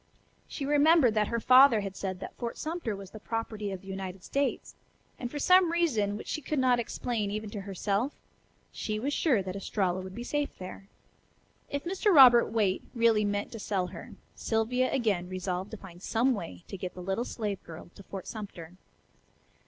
She remembered that her father had said that Fort Sumter was the property of the United States; and, for some reason which she could not explain even to herself, she was sure that Estralla would be safe there. If Mr. Robert Waite really meant to sell her, Sylvia again resolved to find some way to get the little slave girl to Fort Sumter.